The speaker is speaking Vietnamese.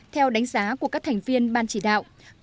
theo đánh giá của các thành viên ban chỉ đạo